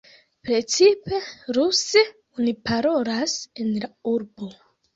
Precipe ruse oni parolas en la urbo.